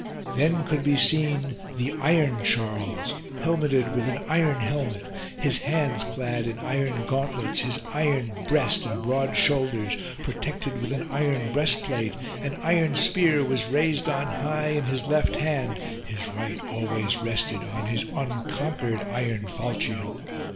Then could be seen the iron Charles, helmeted with an iron helmet, his hands clad in iron gauntlets, his iron breast and broad shoulders protected with an iron breast plate : an iron spear was raised on high in his left hand ; his right always rested on his unconquered iron falchion.